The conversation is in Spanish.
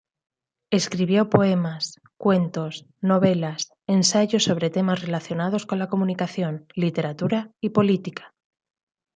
Escribió poemas, cuentos, novelas, ensayos sobre temas relacionados con la comunicación, literatura y política.